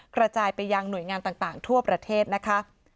กระจายไปยังหน่วยงานต่างทั่วประเทศนะคะ